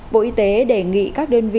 bộ y tế đề nghị các đơn vị thử nghiệm